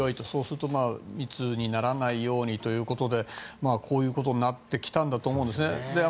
そうすると密にならないようにということでこういうことになってきたんだと思うんですね。